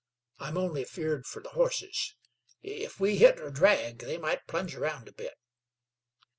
I'm only afeerd fer the horses. If we hit or drag, they might plunge around a bit."